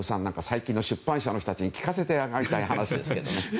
最近の出版社の人たちに聞かせてあげたい話ですね。